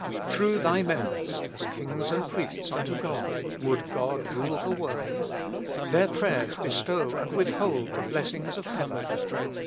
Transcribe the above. Through thy members, as kings and priests unto God, would God rule the world ; their prayers bestow and withhold the bless ings of heaven.